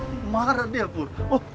wah marah dia pur